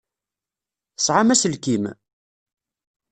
Tesεam aselkim?